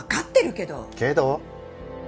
けど？